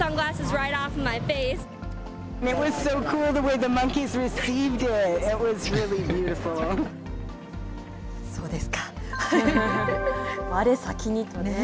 われ先にとね。